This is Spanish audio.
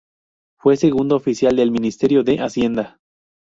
Fue segundo oficial del Ministerio de Hacienda.